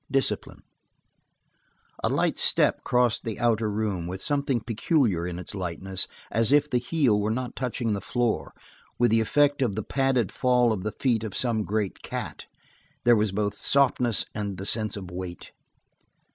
Discipline A light step crossed the outer room, with something peculiar in its lightness, as if the heel were not touching the floor, with the effect of the padded fall of the feet of some great cat; there was both softness and the sense of weight.